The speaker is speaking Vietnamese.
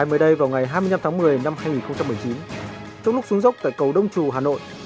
mới đây vào ngày hai mươi năm tháng một mươi năm hai nghìn một mươi chín trong lúc xuống dốc tại cầu đông trù hà nội